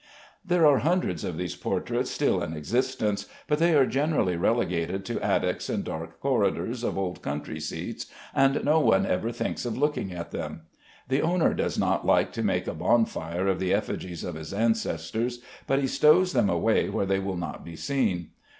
There are hundreds of these portraits still in existence, but they are generally relegated to attics and dark corridors of old country seats, and no one ever thinks of looking at them. The owner does not like to make a bonfire of the effigies of his ancestors, but he stows them away where they will not be seen.